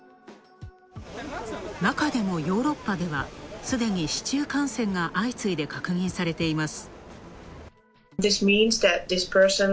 なかでもヨーロッパではすでに市中感染が相次いで確認されています。